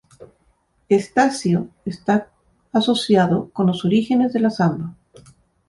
Estácio está asociado con los orígenes de la samba.